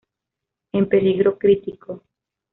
En peligro crítico.